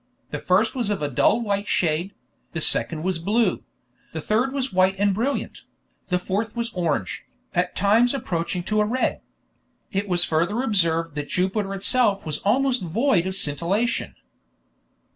The first was of a dull white shade; the second was blue; the third was white and brilliant; the fourth was orange, at times approaching to a red. It was further observed that Jupiter itself was almost void of scintillation.